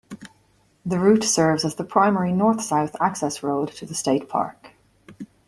The route serves as the primary north-south access road to the state park.